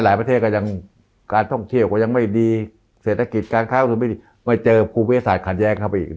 หลายเมืองการท่องเทียบว่าคิดการเสียนะคะว่ามันยังไม่ดี